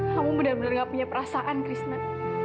kamu benar benar gak punya perasaan krishna